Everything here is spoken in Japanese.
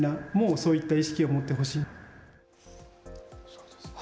そうですね。